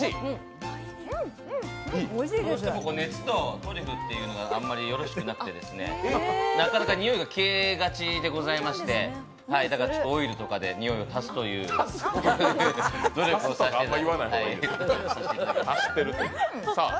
熱とトリュフというのはあんまりよろしくなくてなかなかにおいが消えがちでだから、オイルとかでにおいを足すという努力をさせていただきました。